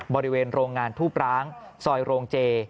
บริเวณโรงงานทูบร้างซอยโรงเจ